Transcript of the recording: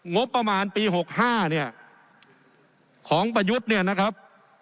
งบประมาณปี๖๕เนี่ยของประยุทธ์เนี่ยนะครับ